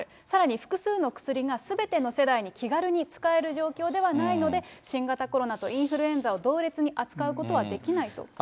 さらに複数の薬がすべての世代に気軽に使える状況ではないので、新型コロナとインフルエンザを同列に扱うことはできないと。